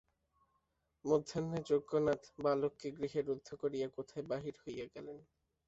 মধ্যাহ্নে যজ্ঞনাথ বালককে গৃহে রুদ্ধ করিয়া কোথায় বাহির হইয়া গেলেন।